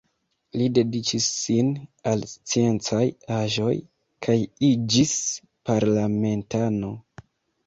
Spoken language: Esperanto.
Li dediĉis sin al sciencaj aĵoj kaj iĝis parlamentano.